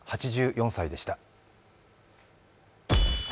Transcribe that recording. ８４歳でした。